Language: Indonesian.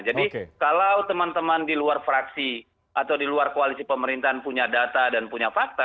jadi kalau teman teman di luar fraksi atau di luar koalisi pemerintahan punya data dan punya fakta